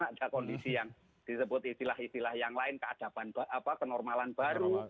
ada kondisi yang disebut istilah istilah yang lain keadaban kenormalan baru